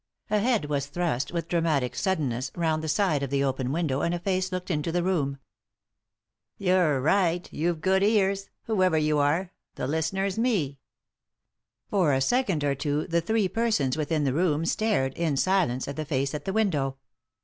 A head was thrust, with dramatic suddenness, round the side of the open window, and a face looked into the room. 311 3i 9 iii^d by Google THE INTERRUPTED KISS M You're Tight— you've good ears, whoever you are — the listener's me I " For a second or two the three persons within the room stared, in silence, at the race at the window.